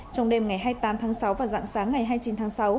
trong đêm ngày hai mươi tám tháng sáu và dạng sáng ngày hai mươi chín tháng sáu